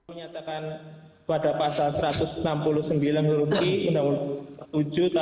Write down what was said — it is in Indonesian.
menyatakan pada pasal satu ratus enam puluh sembilan ruki